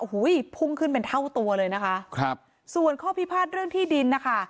โอ้โหพุ่งขึ้นเป็นเท่าตัวเลยนะคะครับส่วนข้อพิพาทเรื่องที่ดินนะคะ